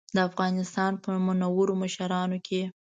د افغانستان په منورو مشرانو کې.